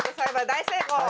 大成功。